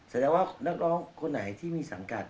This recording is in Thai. แสดงว่านักร้องคนไหนที่มีสังกัด